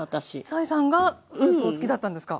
斉さんがスープを好きだったんですか？